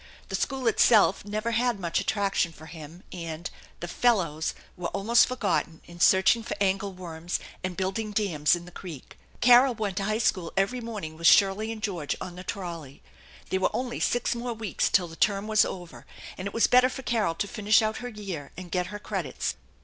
The school itself never had much attraction for him, and "the fellows" were almost forgotten in searching for angleworms and building dams in the creek. Carol went to high school every morning with Shirley and George on the trolley. There were only six more weeks till the term was over, and it was better for Carol to finish out her year and get her credits.